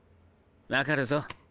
分かるぞ。